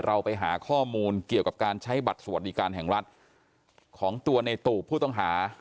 เราไปหาข้อมูลเกี่ยวกับการใช้บัตรสวัสดิการแห่งรัฐของตัวในตูบผู้ต้องหา